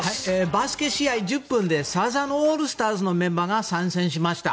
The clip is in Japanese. バスケ試合１０分でサザンオールスターズのメンバーが参戦しました。